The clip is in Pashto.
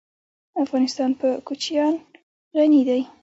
افغانستان په کوچیان غني دی.